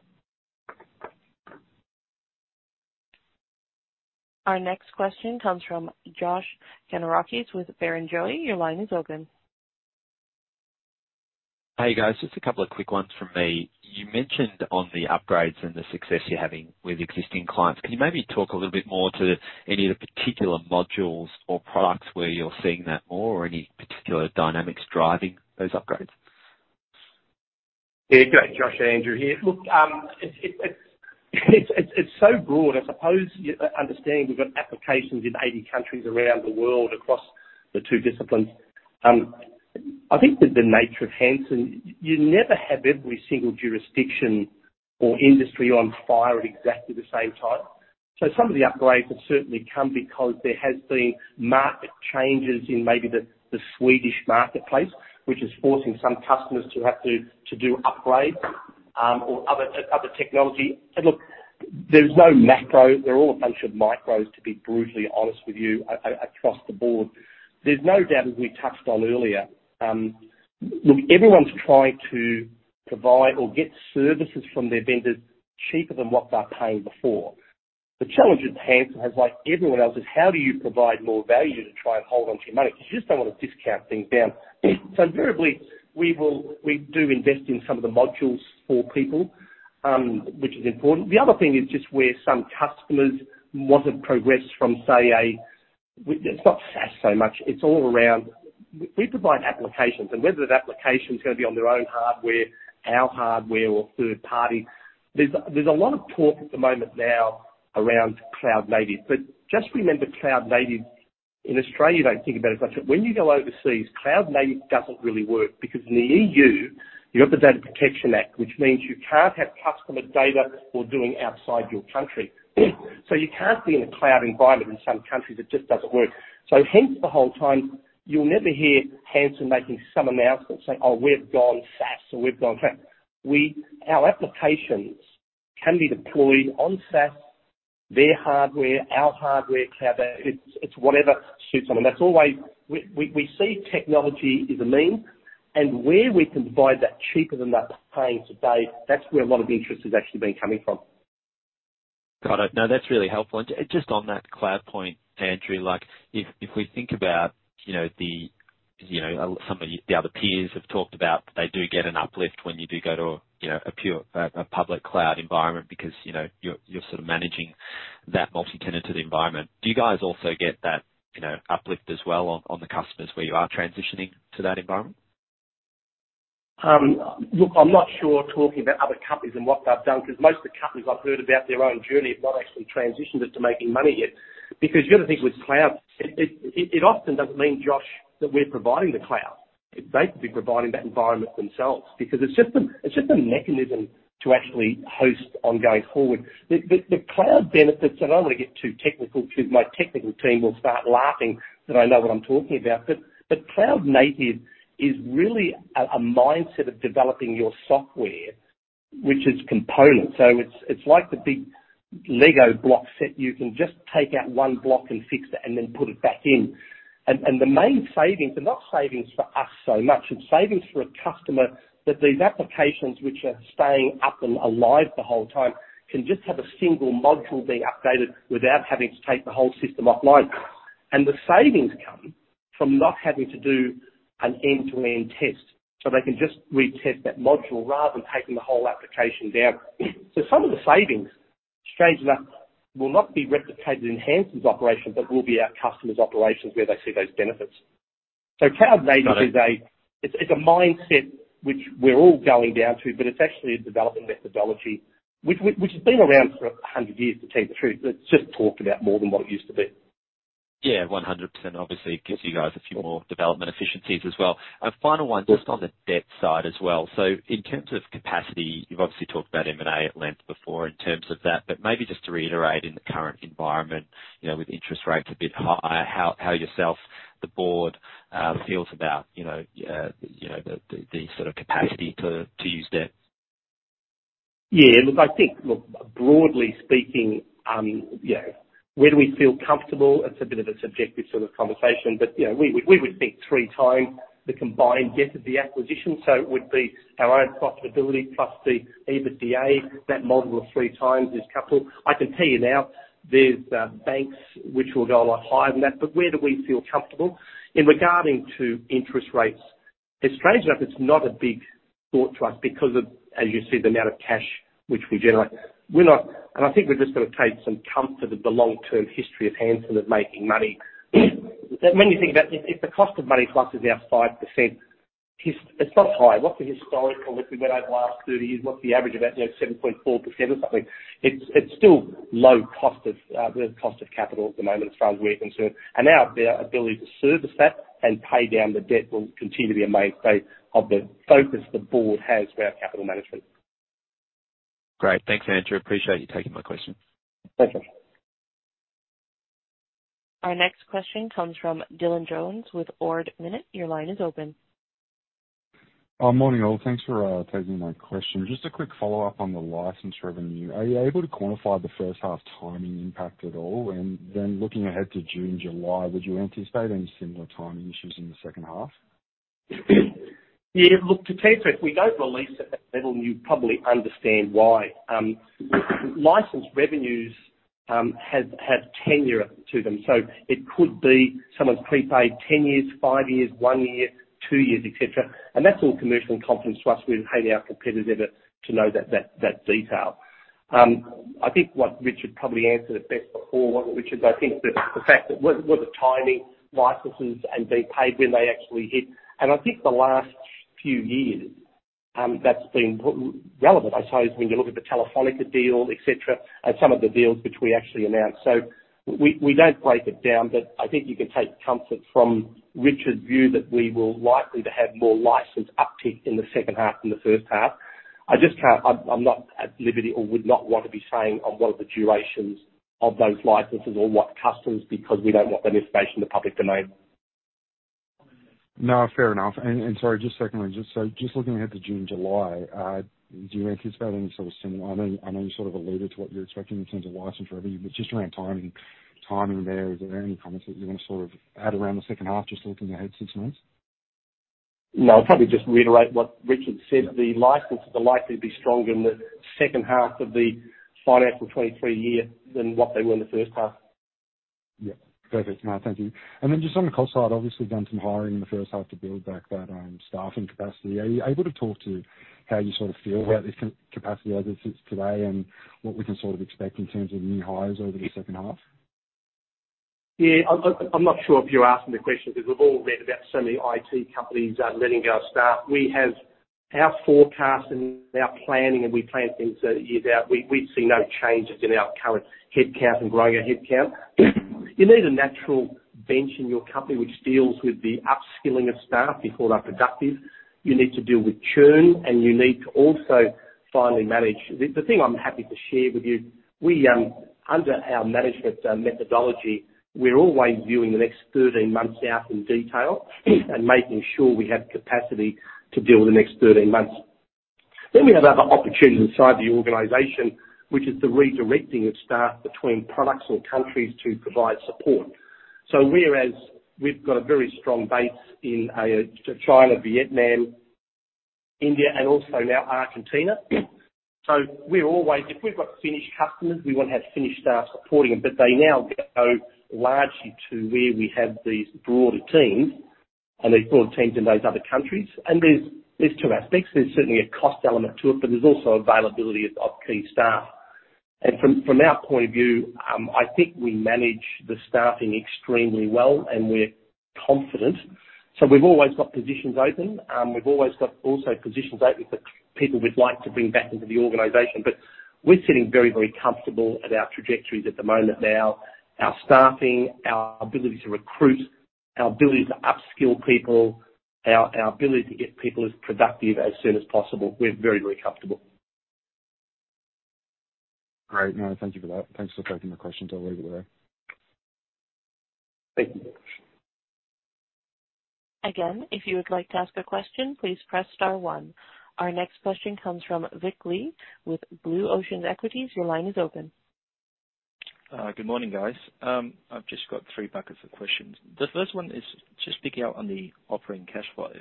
Our next question comes from Josh Kannourakis with Barrenjoey. Your line is open. Hey, guys. Just a couple of quick ones from me. You mentioned on the upgrades and the success you're having with existing clients. Can you maybe talk a little bit more to any of the particular modules or products where you're seeing that more or any particular dynamics driving those upgrades? Yeah. Go, Josh, Andrew here. Look, it's so broad, I suppose understand we've got applications in 80 countries around the world across the two disciplines. I think with the nature of Hansen, you never have every single jurisdiction or industry on fire at exactly the same time. Some of the upgrades have certainly come because there has been market changes in maybe the Swedish marketplace, which is forcing some customers to have to do upgrades, or other technology. Look, there's no macro. They're all a bunch of micros, to be brutally honest with you, across the board. There's no doubt, as we touched on earlier, look, everyone's trying to provide or get services from their vendors cheaper than what they were paying before. The challenge that Hansen has, like everyone else, is how do you provide more value to try and hold onto your money? You just don't want to discount things down. Invariably, we will, we do invest in some of the modules for people, which is important. The other thing is just where some customers wasn't progressed from, say, a. It's not SaaS so much. It's all around. We provide applications. Whether that application is gonna be on their own hardware, our hardware or third party, there's a lot of talk at the moment now around cloud-native. Just remember, cloud-native, in Australia, they think about it as much. When you go overseas, cloud-native doesn't really work because in the EU, you have the Data Protection Act, which means you can't have customer data or doing outside your country. You can't be in a cloud environment in some countries. It just doesn't work. Hence the whole time, you'll never hear Hansen making some announcement saying, "Oh, we've gone SaaS," or, "We've gone cloud." Our applications can be deployed on SaaS, their hardware, our hardware, cloud. It's whatever suits them. That's always. We see technology is a means. Where we can provide that cheaper than they're paying today, that's where a lot of the interest has actually been coming from. Got it. No, that's really helpful. Just on that cloud point, Andrew, like if we think about, you know, the, you know, some of the other peers have talked about they do get an uplift when you do go to, you know, a pure, a public cloud environment because, you know, you're sort of managing that multi-tenanted environment. Do you guys also get that, you know, uplift as well on the customers where you are transitioning to that environment? Look, I'm not sure talking about other companies and what they've done, because most of the companies I've heard about their own journey have not actually transitioned into making money yet. Because the other thing with cloud, it often doesn't mean, Josh, that we're providing the cloud. It's they could be providing that environment themselves because it's just a mechanism to actually host on going forward. The cloud benefits, and I don't wanna get too technical because my technical team will start laughing that I know what I'm talking about. Cloud-native is really a mindset of developing your software, which is component. It's like the big Lego block set. You can just take out one block and fix it and then put it back in. The main savings are not savings for us so much. It's savings for a customer that these applications which are staying up and alive the whole time can just have a single module being updated without having to take the whole system offline. The savings come from not having to do an end-to-end test. They can just retest that module rather than taking the whole application down. Some of the savings, strange enough, will not be replicated in Hansen's operations, but will be our customers' operations where they see those benefits. Cloud-native- Got it. It's a mindset which we're all going down to, but it's actually a development methodology which has been around for 100 years, to tell you the truth. It's just talked about more than what it used to be. Yeah, 100%. Obviously, it gives you guys a few more development efficiencies as well. A final one, just on the debt side as well. In terms of capacity, you've obviously talked about M&A at length before in terms of that. But maybe just to reiterate in the current environment, you know, with interest rates a bit higher, how yourself, the board feels about, you know, the sort of capacity to use debt. Yeah, look, I think, look, broadly speaking, you know, where do we feel comfortable? It's a bit of a subjective sort of conversation, but you know, we would think 3x the combined debt of the acquisition. It would be our own profitability plus the EBITDA. That model of 3x is capital. I can tell you now, there's banks which will go a lot higher than that. Where do we feel comfortable? In regarding to interest rates, and strange enough, it's not a big thought to us because of, as you see, the amount of cash which we generate. I think we've just gotta take some comfort of the long-term history of Hansen of making money. When you think about it, if the cost of money for us is now 5%, it's not high. What's the historical, if we went over the last 30 years, what's the average about, you know, 7.4% or something? It's still low cost of the cost of capital at the moment as far as we're concerned. Our ability to service that and pay down the debt will continue to be a mainstay of the focus the board has for our capital management. Great. Thanks, Andrew. Appreciate you taking my question. Thank you. Our next question comes from Dylan Jones with Ord Minnett. Your line is open. Morning, all. Thanks for taking my question. Just a quick follow-up on the license revenue. Are you able to quantify the first half timing impact at all? Looking ahead to June, July, would you anticipate any similar timing issues in the second half? Look, to tell you the truth, we don't release at that level, and you probably understand why. License revenues have tenure to them. It could be someone's prepaid 10 years, 5 years, 1 year, 2 years, et cetera. That's all commercial and confidence to us. We're highly competitive to know that detail. I think what Richard probably answered it best before, which is I think the fact that we're timing licenses and being paid when they actually hit. I think the last few years, that's been relevant, I suppose, when you look at the Telefónica deal, et cetera, and some of the deals which we actually announced. We don't break it down, but I think you can take comfort from Richard's view that we will likely to have more license uptick in the second half than the first half. I'm not at liberty or would not want to be saying on what are the durations of those licenses or what customers, because we don't want that information in the public domain. No, fair enough. Sorry, just secondly, just looking ahead to June, July, do you anticipate any sort of similar... I know you sort of alluded to what you're expecting in terms of license revenue, but just around timing there, is there any comments that you wanna sort of add around the second half, just looking ahead six months? No, I'll probably just reiterate what Richard said. The licenses are likely to be stronger in the second half of the financial 2023 year than what they were in the first half. Perfect. No, thank you. Just on the cost side, obviously done some hiring in the first half to build back that staffing capacity. Are you able to talk to how you sort of feel about this capacity as it sits today and what we can sort of expect in terms of new hires over the second half? Yeah. I'm not sure if you're asking the question, because we've all read about so many IT companies letting go of staff. We have our forecast and our planning, and we plan things a year out. We see no changes in our current headcount and growing our headcount. You need a natural bench in your company which deals with the upskilling of staff before they're productive. You need to deal with churn, and you need to also finally manage. The thing I'm happy to share with you, we, under our management methodology, we're always viewing the next 13 months out in detail and making sure we have capacity to deal with the next 13 months. We have other opportunities inside the organization, which is the redirecting of staff between products and countries to provide support. We've got a very strong base in China, Vietnam, India, and also now Argentina. We're always, if we've got finished customers, we wanna have finished staff supporting them, but they now go largely to where we have these broader teams and these broader teams in those other countries. There's two aspects. There's certainly a cost element to it, but there's also availability of key staff. From our point of view, I think we manage the staffing extremely well, and we're confident. We've always got positions open. We've always got also positions open for people we'd like to bring back into the organization. We're sitting very, very comfortable at our trajectories at the moment now. Our staffing, our ability to recruit, our ability to upskill people, our ability to get people as productive as soon as possible. We're very, very comfortable. Great. No, thank you for that. Thanks for taking the questions. I'll leave it there. Thank you. Again, if you would like to ask a question, please press star one. Our next question comes from Vic Lee with Blue Ocean Equities. Your line is open. Good morning, guys. I've just got 3 buckets of questions. The first one is just picking up on the operating cash flow.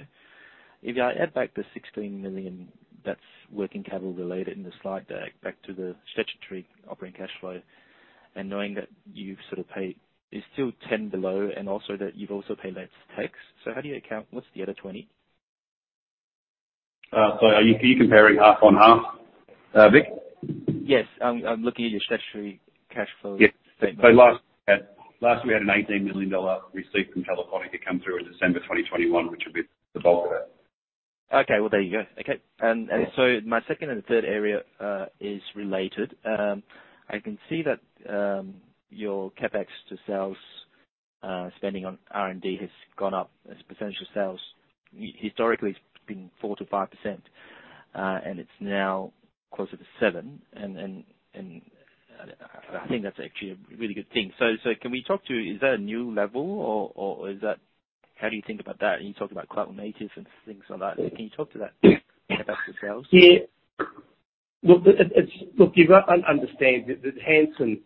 If I add back the 16 million that's working capital related in the slide deck back to the statutory operating cash flow and knowing that you've sort of paid, it's still 10 below and also that you've also paid less tax. How do you account, what's the other 20? Are you comparing half on half, Vic? Yes. I'm looking at your statutory cash flow. Yeah. last we had an AUD 18 million receipt from Telefónica come through in December 2021, which will be the bulk of it. Okay. Well, there you go. Okay. My second and third area is related. I can see that your CapEx to sales spending on R&D has gone up as a percentage of sales. Historically it's been 4%-5%, and it's now closer to 7%. I think that's actually a really good thing. Can we talk to, is that a new level or is that... How do you think about that? You talk about cloud natives and things like that. Can you talk to that about the sales? Yeah. Well, the, Look, you've got to understand that Hansen's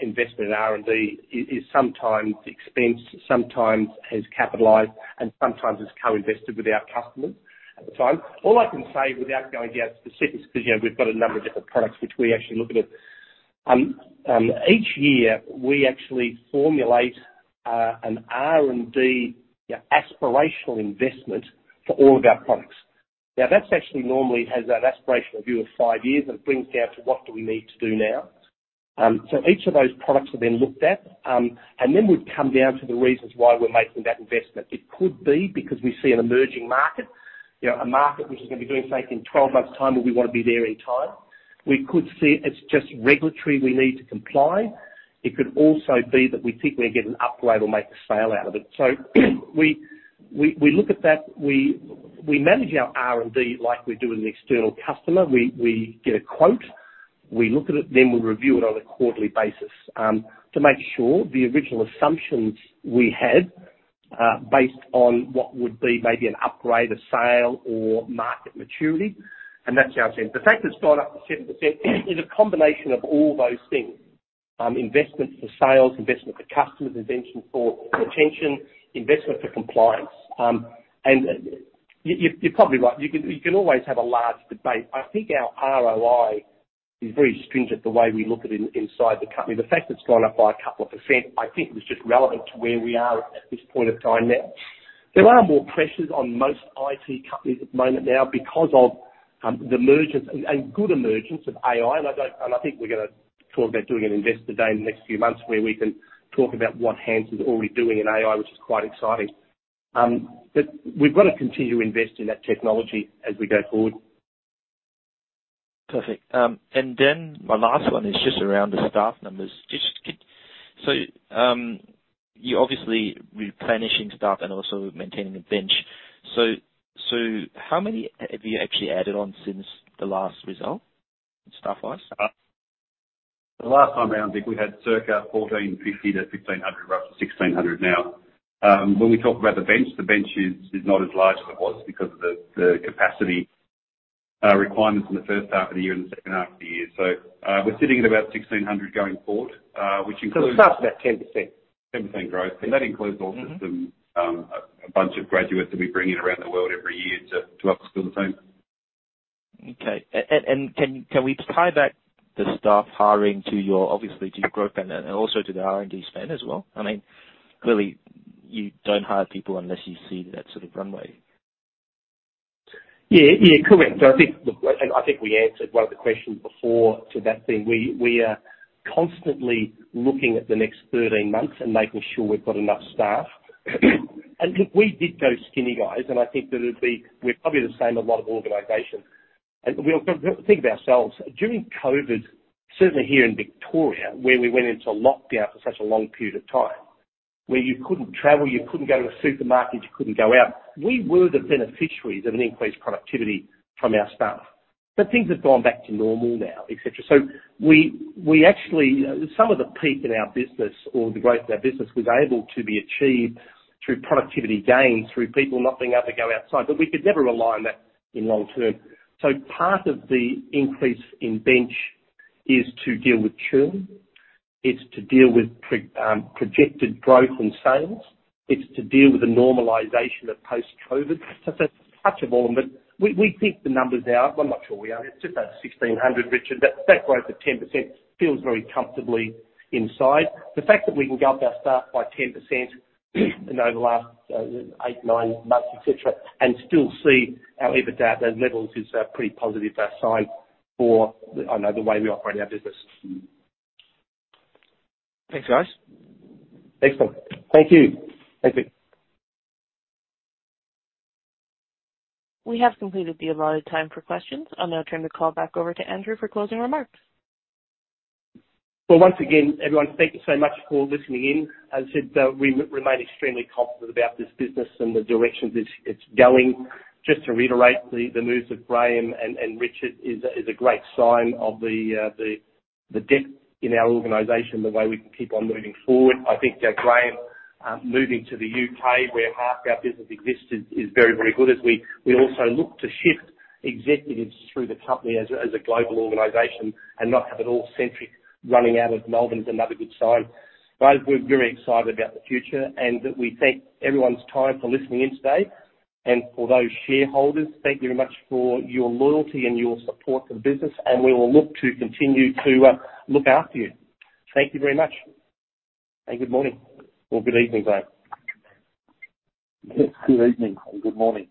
investment in R&D is sometimes expense, sometimes is capitalized, and sometimes it's co-invested with our customers at the time. All I can say without going out specifics, because, you know, we've got a number of different products which we actually look at it. Each year, we actually formulate an R&D aspirational investment for all of our products. That's actually normally has that aspirational view of 5 years, and it brings down to what do we need to do now. Each of those products are then looked at, and then we come down to the reasons why we're making that investment. It could be because we see an emerging market, you know, a market which is gonna be doing something in 12 months time, and we wanna be there in time. We could see it's just regulatory, we need to comply. It could also be that we think we'll get an upgrade or make a sale out of it. We look at that. We manage our R&D like we do with an external customer. We get a quote. We look at it, then we review it on a quarterly basis, to make sure the original assumptions we had, based on what would be maybe an upgrade, a sale or market maturity. That's our sense. The fact it's gone up to 7% is a combination of all those things, investments for sales, investment for customers, investment for retention, investment for compliance. You're probably right. You can always have a large debate. I think our ROI is very stringent the way we look at inside the company. The fact it's gone up by a couple of %, I think was just relevant to where we are at this point of time now. There are more pressures on most IT companies at the moment now because of the emergence, a good emergence of AI. I think we're gonna talk about doing an investor day in the next few months where we can talk about what Hansen is already doing in AI, which is quite exciting. We've got to continue to invest in that technology as we go forward. Perfect. My last one is just around the staff numbers. So, you're obviously replenishing staff and also maintaining a bench. So how many have you actually added on since the last result, staff-wise? The last time around, I think we had circa 1,450 to 1,600, we're up to 1,600 now. When we talk about the bench, the bench is not as large as it was because of the capacity requirements in the first half of the year and the second half of the year. We're sitting at about 1,600 going forward, which includes. It's up about 10%. 10% growth. That includes also some, a bunch of graduates that we bring in around the world every year to upskill the team. Can we tie back the staff hiring to your, obviously, to your growth and then also to the R&D spend as well? I mean, clearly you don't hire people unless you see that sort of runway. Yeah, yeah. Correct. I think, look, and I think we answered one of the questions before to that thing. We are constantly looking at the next 13 months and making sure we've got enough staff. Look, we did go skinny, guys, and I think that it'd be, we're probably the same a lot of organizations. We've got to think of ourselves. During COVID, certainly here in Victoria, where we went into a lockdown for such a long period of time, where you couldn't travel, you couldn't go to a supermarket, you couldn't go out. We were the beneficiaries of an increased productivity from our staff. Things have gone back to normal now, et cetera. We actually, some of the peak in our business or the growth of our business was able to be achieved through productivity gains, through people not being able to go outside, but we could never rely on that in long term. Part of the increase in bench is to deal with churn, it's to deal with projected growth and sales. It's to deal with the normalization of post-COVID. It's a touch of all them. We think the numbers now, I'm not sure we are, it's just that 1,600, Richard, that growth of 10% feels very comfortably inside. The fact that we can go up our staff by 10% and over the last 8, 9 months, et cetera, and still see our EBITDA, those levels is a pretty positive sign for, I know, the way we operate our business. Thanks, guys. Excellent. Thank you. Thank you. We have completed the allotted time for questions. I'll now turn the call back over to Andrew for closing remarks. Well, once again, everyone, thank you so much for listening in. As I said, we remain extremely confident about this business and the directions it's going. Just to reiterate, the moves of Graeme and Richard is a great sign of the depth in our organization, the way we can keep on moving forward. I think that Graeme moving to the U.K. where half our business exists is very, very good as we also look to shift executives through the company as a global organization and not have it all centric running out of Melbourne is another good sign. Guys, we're very excited about the future and that we thank everyone's time for listening in today. For those shareholders, thank you very much for your loyalty and your support for the business, and we will look to continue to look after you. Thank you very much. Have a good morning or good evening, Graeme. Yes, good evening and good morning.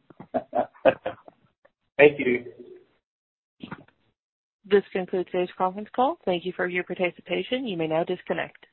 Thank you. This concludes today's conference call. Thank you for your participation. You may now disconnect.